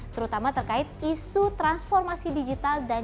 terutama terkait isu transformasi digital di indonesia